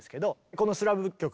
この「スラブ舞曲」